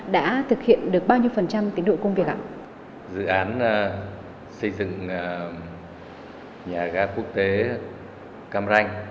đã đặt ra một trung tâm